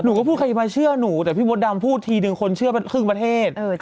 หนูก็พูดเคยมาเชื่อหนูแต่พี่บทดำพูดทีนึงคนเชื่อแรงเป็นครึ่งประเทศ